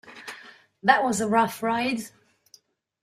That was a rough ride.